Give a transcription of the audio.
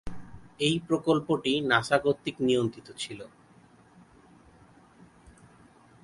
এ প্রকল্পটি নাসা কর্তৃক নিয়ন্ত্রিত ছিল।